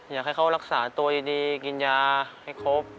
อยากให้เขารักษาตัวดีกินยาให้ครบ